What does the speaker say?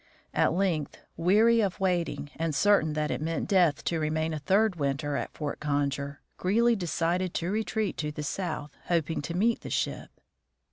At length, weary of waiting, and certain that it meant death to remain a third winter at Fort Conger, Greely decided to retreat to the south, hoping to meet the ship.